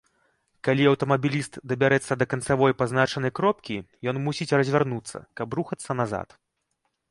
Калі аўтамабіліст дабярэцца да канцавой пазначанай кропкі, ён мусіць развярнуцца, каб рухацца назад.